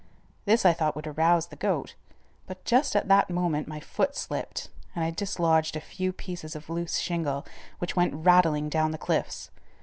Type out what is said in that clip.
This I thought would arouse the goat, but just at that moment my foot slipped and I dislodged a few pieces of loose shingle, which went rattling down the cliffs.